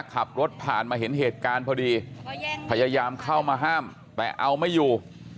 ขับรถผ่านมาเห็นเหตุการณ์พอดีพยายามเข้ามาห้ามแต่เอาไม่อยู่